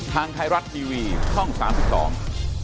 ทางไทยรัฐทีวีช่องสามสิบสอง